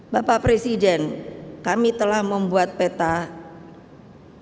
bapak presiden kami telah mencari peneliti yang memiliki kepentingan rakyat yang berbeda